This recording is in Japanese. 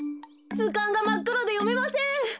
ずかんがまっくろでよめません。